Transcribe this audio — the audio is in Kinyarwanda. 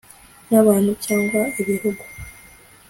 n abantu cyangwa ibihugu